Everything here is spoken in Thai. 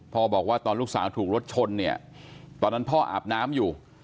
บอกว่าตอนลูกสาวถูกรถชนเนี่ยตอนนั้นพ่ออาบน้ำอยู่